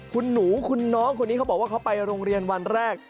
คุณหนูคุณน้องคนนี้เขาบอกว่าเขาไปโรงเรียนวันแรก